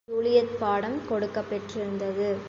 எனக்கு ஜூலியத் பாடம் கொடுக்கப் பெற்றிருந்தது.